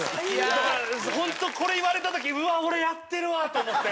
だから本当これ言われた時うわっ俺やってるわと思って。